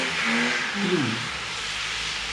Pium